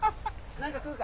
何か食うか？